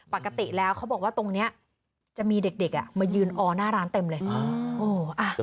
ปกติแล้วเขาบอกว่าตรงนี้จะมีเด็กมายืนออหน้าร้านเต็มเลย